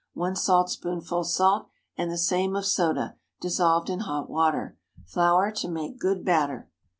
1 saltspoonful salt, and the same of soda, dissolved in hot water. Flour to make good batter.